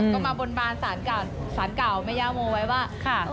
ก็มาบนบานศาลเก่าแม่ย่าโมไว้ว่า